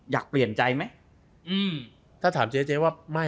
อยากเปลี่ยนใจไหมอืมถ้าถามเจ๊เจ๊ว่าไม่